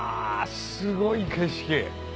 すごい景色。